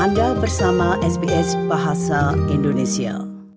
anda bersama sbs bahasa indonesia